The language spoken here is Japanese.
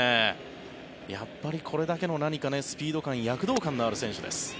やっぱりこれだけのスピード感躍動感のある選手です。